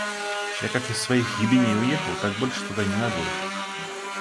Я как из своих ебеней уехал, так больше туда ни ногой!